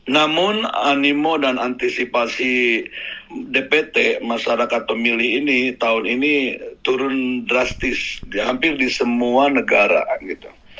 namun animo dan antisipasi dpt masyarakat pemilih ini tahun ini turun drastis di hampir di semua negara gitu